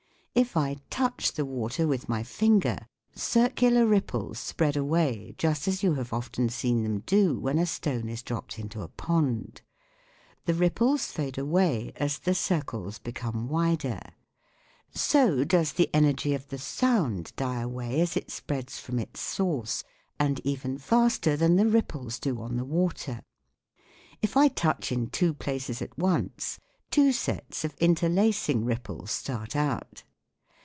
If I touch the water with my finger, circular ripples spread away just as you have often seen them do when a stone is dropped into a pond. The ripples fade away as the circles become wider. So does the energy of the sound die away as it spreads from its source, and even faster than the ripples do on the water. If I touch in two places at once, two sets of inter lacing ripples start out.